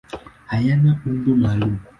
Hayana umbo maalum.